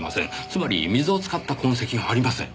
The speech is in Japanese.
つまり水を使った痕跡がありません。